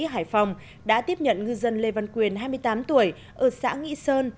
hải phòng đã tiếp nhận ngư dân lê văn quyền hai mươi tám tuổi ở xã nghị sơn